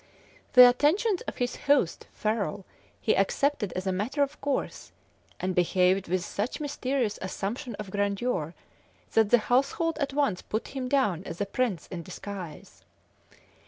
The attentions of his host, Ferrol, he accepted as a matter of course, and behaved with such mysterious assumption of grandeur, that the household at once put him down as a prince in disguise.